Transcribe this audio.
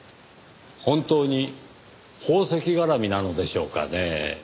本当に宝石絡みなのでしょうかねぇ？